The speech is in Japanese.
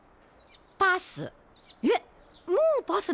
パス。